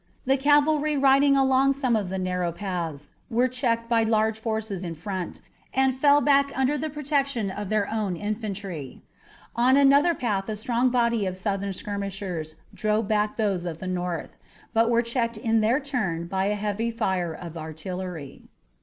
The cavalry riding along some of the narrow paths were checked by large forces in front, and fell back under the protection of their own infantry. On another path a strong body of Southern skirmishers drove back those of the North, but were checked in their turn by a heavy fire of artillery.